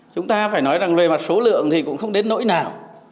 chúng ta phải nói rằng về mặt số lượng thì cũng không đến nỗi nào